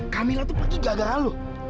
camilla tuh pergi gara gara lo